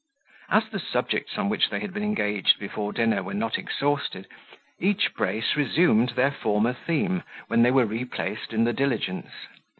As the subjects on which they had been engaged before dinner were not exhausted, each brace resumed their former theme when they were replaced in the diligence.